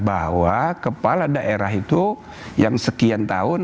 bahwa kepala daerah itu yang sekian tahun